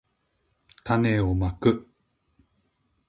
たねをまく